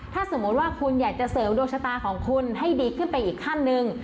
ถ้าสมมุติว่าคุณอยากจะเสริมดวงชะตาของคุณให้ดีขึ้นไปอีกขั้นหนึ่ง